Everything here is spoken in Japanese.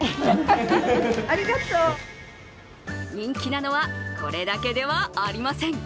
人気なのは、これだけではありません。